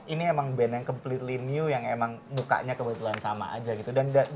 ini emang band yang kepletly new yang emang mukanya kebetulan sama aja gitu